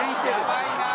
やばいな！